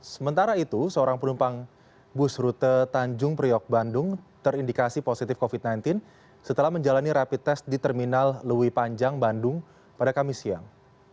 sementara itu seorang penumpang bus rute tanjung priok bandung terindikasi positif covid sembilan belas setelah menjalani rapid test di terminal lewi panjang bandung pada kamis siang